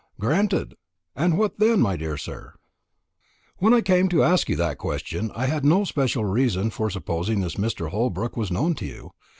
"Granted. And what then, my dear sir?" "When I came to ask you that question, I had no special reason for supposing this Mr. Holbrook was known to you.